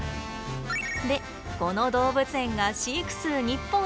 でこの動物園が飼育数日本一。